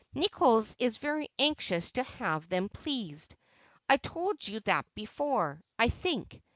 "Nichols is very anxious to have them pleased—I told you that before, I think.